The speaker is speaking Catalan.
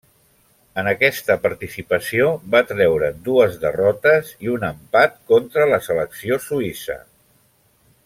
En aquesta participació va treure'n dues derrotes i un empat contra la selecció suïssa.